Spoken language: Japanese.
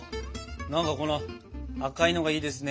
なんかこの赤いのがいいですね。